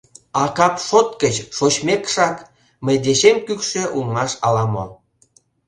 А кап шот гыч — шочмекшак, мый дечем кӱкшӧ улмаш ала-мо...